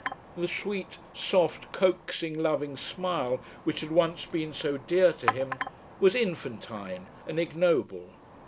The sweet soft coaxing loving smile, which had once been so dear to him, was infantine and ignoble.